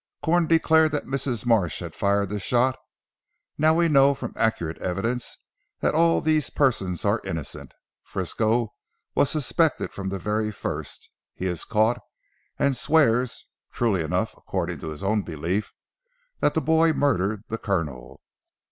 Corn declared that Mrs. Marsh had fired the shot. Now we know from accurate evidence that all these persons are innocent. Frisco was suspected from the very first. He is caught and swears truly enough according to his own belief, that the boy murdered the Colonel.